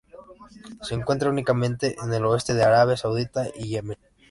Se encuentra únicamente en el oeste de Arabia Saudita y Yemen.